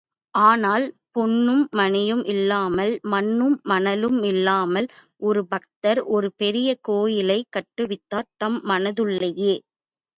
ஆனால், பொன்னும் மணியும் இல்லாமல் மண்ணும் மணலுமில்லாமல், ஒரு பக்தர் ஒரு பெரிய கோயிலைக் கட்டுவித்தார் தம் மனத்துள்ளேயே.